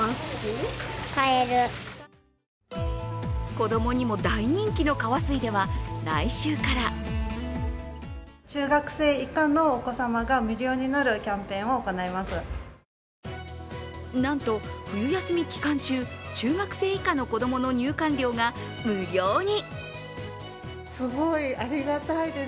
子供にも大人気のカワスイでは、来週からなんと、冬休み期間中、中学生以下の子供の入館料が無料に。